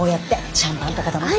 シャンパンとか頼んで。